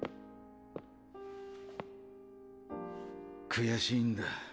悔しいんだ俺。